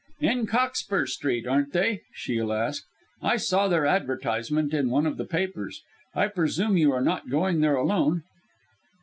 "In Cockspur Street, aren't they?" Shiel asked. "I saw their advertisement in one of the papers. I presume you are not going there alone?"